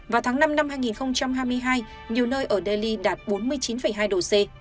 vào tháng năm năm hai nghìn hai mươi hai nhiều nơi ở delhi đạt bốn mươi chín hai độ c